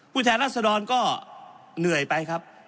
แทนรัศดรก็เหนื่อยไปครับ